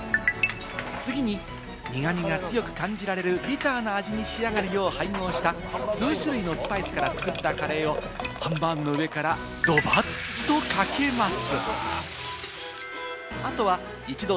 次に苦味が強く感じられるビターな味に仕上げるよう配合した、数種類のスパイスから作ったカレーをハンバーグの上からドバッとかけます。